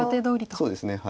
そうですね。